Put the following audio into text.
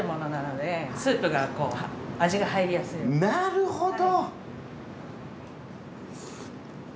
なるほど！